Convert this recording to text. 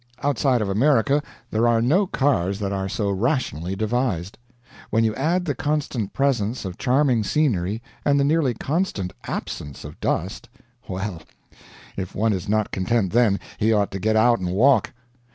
Outside of America there are no cars that are so rationally devised. When you add the constant presence of charming scenery and the nearly constant absence of dust well, if one is not content then, he ought to get out and walk.